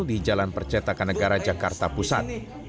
di jalan percetakan negara jakarta pusat